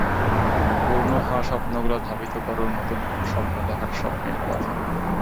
পূর্ণ হওয়া স্বপ্নগুলো ধাবিত করুক নতুন কোনো স্বপ্ন দেখার স্বপ্নিল পথে।